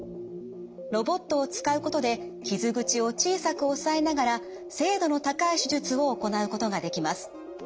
ロボットを使うことで傷口を小さく抑えながら精度の高い手術を行うことができます。